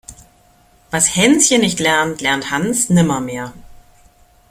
Was Hänschen nicht lernt, lernt Hans nimmermehr.